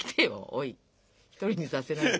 おい一人にさせないで。